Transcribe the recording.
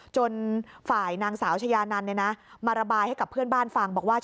จนฝ่ายนางสาวชญานานเนี้ยนะ